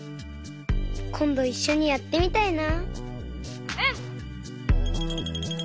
こんどいっしょにやってみたいな。